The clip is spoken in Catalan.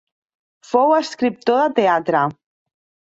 Fou escriptor de teatre.